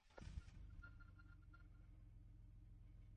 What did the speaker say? wanahitaji kuweza kuwa wenyeji wa michuano mingi zaidi